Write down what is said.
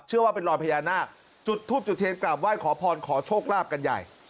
เชื่อว่าเป็นรอยพญานาคจุดทุษฎ์เทศกราบไหว้ขอพญาขอโชคลาบกันใหญ่